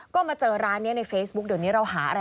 ก็มาเจอร้านนี้ในเฟซบุ๊คเดี๋ยวนี้เราหาอะไร